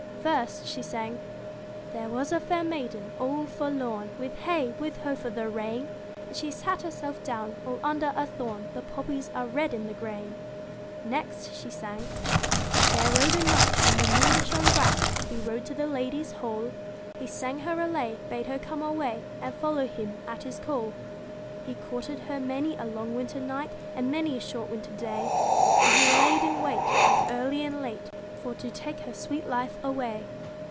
First she sang There was a fair maiden, all forlorn, With hey ! with ho ! for the rain ; And she sat herself down all under a thorn, The poppies are red in the grain. Next she sang There rode a knight when the moon shone bright, He rode to the lady's hall ; He sang her a lay, bade her come away, And follow him at his call. He courted her many a long winter night, And many a short winter day, And he laid in wait, both early and late, For to take her sweet life away.